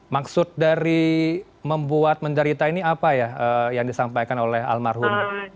maksud dari membuat menderita ini apa ya yang disampaikan oleh almarhum